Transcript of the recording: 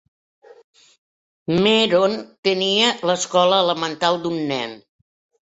MEron tenia l'escola elemental d'un nen.